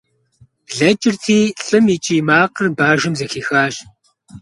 Блэкӏырти, лӏым и кӏий макъыр бажэм зэхихащ.